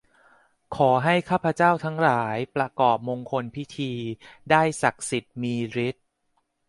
ขอให้ข้าพเจ้าทั้งหลาย ประกอบมงคลพิธี ได้ศักดิ์สิทธิ์มีฤทธิ์